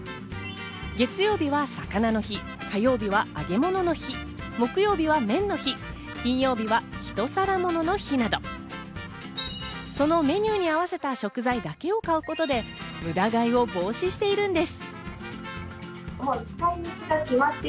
月曜日は魚の日、火曜日は揚げ物の日、木曜日は麺の日、金曜日はひと皿ものの日など、そのメニューに合わせた食材だけを買うことで無駄買いを防止しているんです。